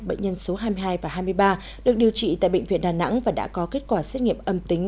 bệnh nhân số hai mươi hai và hai mươi ba được điều trị tại bệnh viện đà nẵng và đã có kết quả xét nghiệm âm tính